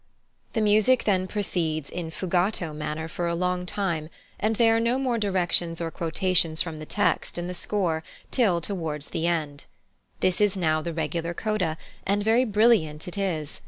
The music then proceeds in fugato manner for a long time, and there are no more directions or quotations from the text in the score till towards the end. This is now the regular coda, and very brilliant it is.